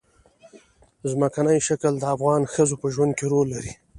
ځمکنی شکل د افغان ښځو په ژوند کې رول لري.